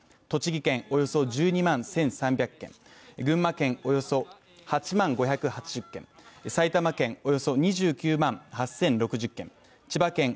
栃木県およそ１２万１３００軒群馬県、およそ８万５８０軒埼玉県、およそ２９万８０６０軒、千葉県